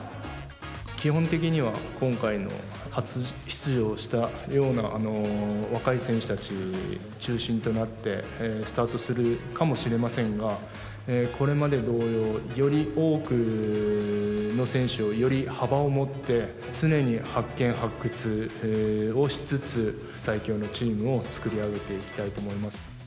基本的には今回の初出場したような若い選手たち中心となって、スタートするかもしれませんが、これまで同様、より多くの選手を、より幅を持って、常に発見、発掘をしつつ、最強のチームを作り上げていきたいと思います。